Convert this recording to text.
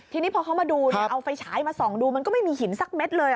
ทีนี้พอเขามาดูเอาไฟฉายมาส่องดูมันก็ไม่มีหินสักเม็ดเลย